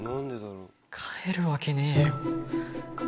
飼えるわけねえよ